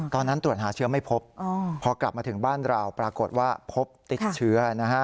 ตอนนั้นตรวจหาเชื้อไม่พบพอกลับมาถึงบ้านเราปรากฏว่าพบติดเชื้อนะฮะ